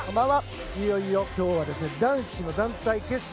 いよいよ今日は男子の男子決勝。